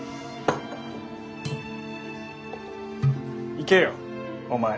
行けよお前。